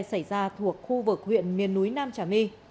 xảy ra thuộc khu vực huyện miền núi nam trà my